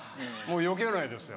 よけれないですよ。